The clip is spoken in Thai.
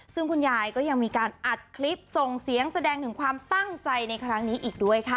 ซึ่งคุณยายก็ยังมีการอัดคลิปส่งเสียงแสดงถึงความตั้งใจในครั้งนี้อีกด้วยค่ะ